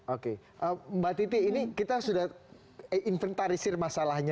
oke mbak titi ini kita sudah inventarisir masalahnya